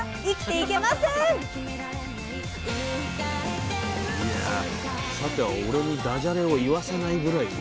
いやさては俺にダジャレを言わせないぐらいの。